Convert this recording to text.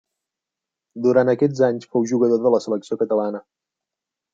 Durant aquests anys fou jugador de la selecció catalana.